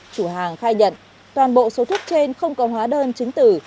chủ hàng khai nhận toàn bộ số thuốc trên không có hóa đơn chứng tử